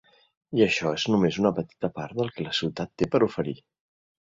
I això és només una petita part del que la ciutat té per oferir.